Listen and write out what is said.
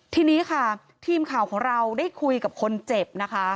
ทีนี้ค่ะทีมข่าวของเราได้คุยกับคนเจ็บนะคะ